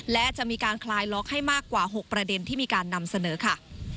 และจะมีการคลายล็อกให้มากกว่า๖ประเด็นที่มีการนำเสนอค่ะ